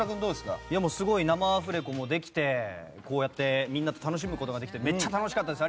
生アフレコもできてこうやってみんなと楽しむことができて楽しかったです。